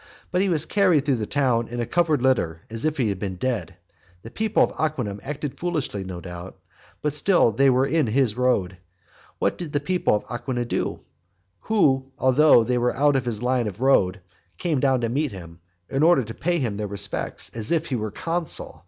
But he was carried through the town in a covered litter, as if he had been dead. The people of Aquinum acted foolishly, no doubt; but still they were in his road. What did the people of Anagnia do? who, although they were out of his line of road, came down to meet him, in order to pay him their respects, as if he were consul.